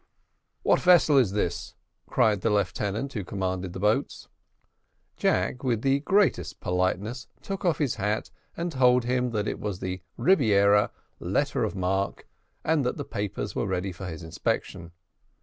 "What vessel is this?" cried the lieutenant who commanded the boats. Jack, with the greatest politeness, took off his hat, and told him that it was the Rebiera letter of marque, and that the papers were ready for his inspection.